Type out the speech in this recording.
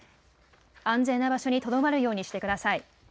安全な場所にとどまるようにしてください。